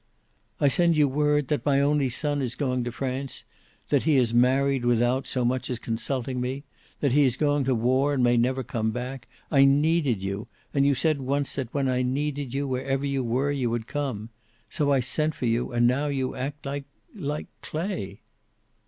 "I send you word that my only son is going to France, that he has married without so much as consulting me, that he is going to war and may never come back. I needed you, and you said once that when I needed you, wherever you were, you would come. So I sent for you, and now you act like like Clay."